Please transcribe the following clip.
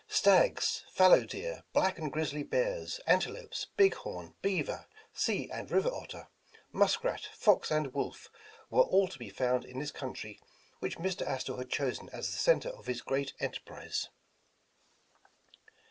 Stags, fallow deer, black and grizzly bears, antelopes, big horn, beaver, sea and river otter, muskrat, fox and wolf were all to be found in this country which Mr. Astor had chosen as the center of his great enterprise.